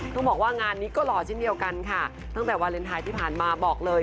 ต้องบอกว่างานนี้ก็หล่อเช่นเดียวกันค่ะตั้งแต่วาเลนไทยที่ผ่านมาบอกเลย